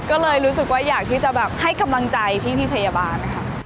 ก็เลยรู้สึกว่าอยากที่จะแบบให้กำลังใจพี่พยาบาลนะคะ